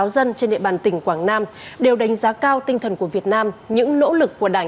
dân trên địa bàn tỉnh quảng nam đều đánh giá cao tinh thần của việt nam những nỗ lực của đảng